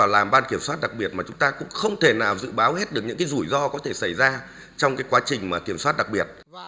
làm ban kiểm soát đặc biệt mà chúng ta cũng không thể nào dự báo hết được những rủi ro có thể xảy ra trong quá trình kiểm soát đặc biệt